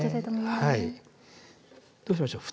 どうしましょう。